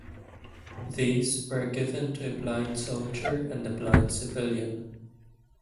These were given to a blind soldier and a blind civilian.